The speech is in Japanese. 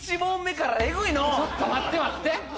・ちょっと待って待って！